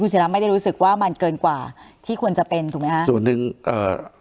ศิราไม่ได้รู้สึกว่ามันเกินกว่าที่ควรจะเป็นถูกไหมคะส่วนหนึ่งเอ่อ